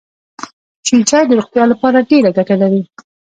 شین چای د روغتیا لپاره ډېره ګټه لري.